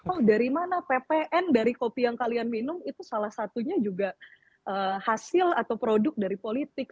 oh dari mana ppn dari kopi yang kalian minum itu salah satunya juga hasil atau produk dari politik